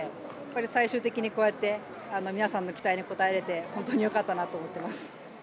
最終的に、こうやって皆さんの期待に応えられて本当に良かったなと思っています。